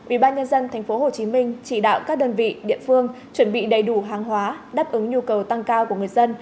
ubnd tp hcm chỉ đạo các đơn vị địa phương chuẩn bị đầy đủ hàng hóa đáp ứng nhu cầu tăng cao của người dân